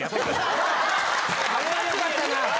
あれは良かったな！